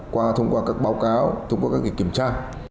qua thông qua các báo cáo thông qua các việc kiểm tra